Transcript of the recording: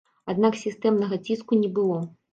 Аднак сістэмнага ціску не было.